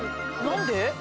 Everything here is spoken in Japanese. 何で？